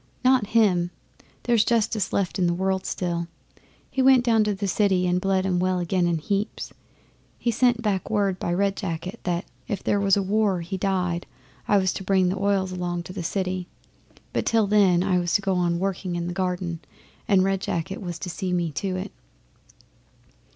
'Not him! There's justice left in the world still. He went down to the City and bled 'em well again in heaps. He sent back word by Red Jacket that, if there was war or he died, I was to bring the oils along to the City, but till then I was to go on working in the garden and Red Jacket was to see me do it.